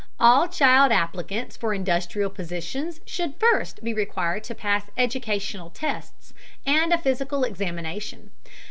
All child applicants for industrial positions should first be required to pass educational tests and a physical examination.